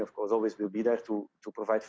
akan selalu ada untuk memberikan makanan